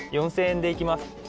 ４０００円でいきます。